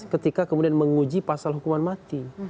ketika kemudian menguji pasal hukuman mati